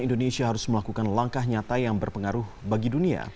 indonesia harus melakukan langkah nyata yang berpengaruh bagi dunia